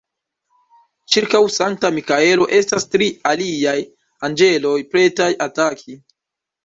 Ĉirkaŭ Sankta Mikaelo estas tri aliaj anĝeloj pretaj ataki.